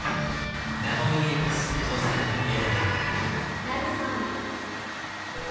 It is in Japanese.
ナノイーＸ搭載「エオリア」。